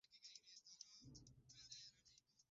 Nchi kama Uingereza Kanada Newzealand na Israeli